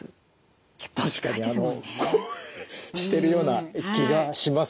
たしかにこうしてるような気がします。